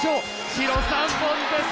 白３本です。